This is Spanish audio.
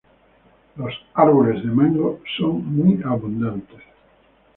Los árboles de mangos son muy abundantes.